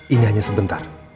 ini hanya sebentar